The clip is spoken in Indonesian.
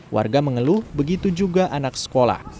warga mengeluh begitu juga anak sekolah